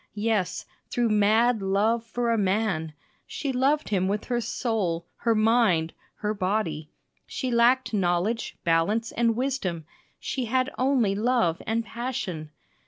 Yes, through mad love for a man she loved him with her soul, her mind, her body. She lacked knowledge, balance, and wisdom; she had only love and passion.